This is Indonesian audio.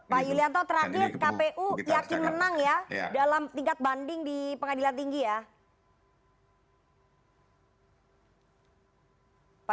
pak yulianto terakhir kpu yakin menang ya dalam tingkat banding di pengadilan tinggi ya